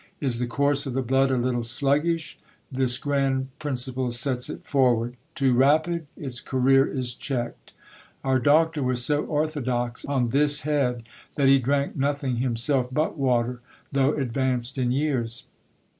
Is the course of the blood a little sluggish ? this grand principle sets it forward : too rapid ? its career is checked. Our doctor was so orthodox on this head, that he drank nothing himself but water, though advanced in years.